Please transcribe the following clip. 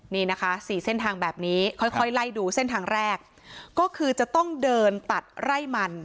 นี่นะคะสี่เส้นทางแบบนี้ค่อยค่อยไล่ดูเส้นทางแรกก็คือจะต้องเดินตัดไร่มัน